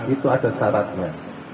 itu ada syaratnya